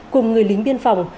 cùng người lính biên phòng